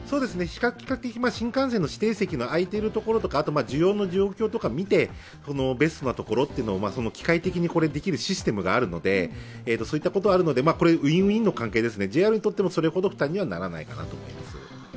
比較的新幹線の指定席の空いているところとか、需要の状況などを見て、ベストなところを機械的にできるシステムがあるので、ウィン・ウィンの関係ですね、ＪＲにとってもそれほど負担にならないと思います。